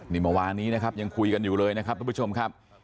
นี่เมื่อวานนี้นะครับยังคุยกันอยู่เลยนะครับทุกผู้ชมครับ